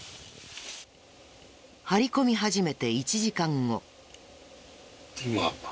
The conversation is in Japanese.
張り込み始めて１時間後。